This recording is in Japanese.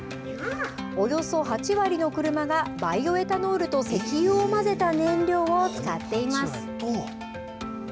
およそ８割の車がバイオエタノールと石油を混ぜた燃料を使っています。